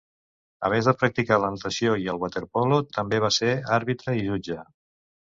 A més de practicar la natació i el waterpolo, també va ser àrbitre i jutge.